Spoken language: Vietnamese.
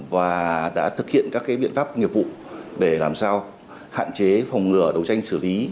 và đã thực hiện các biện pháp nghiệp vụ để làm sao hạn chế phòng ngừa đấu tranh xử lý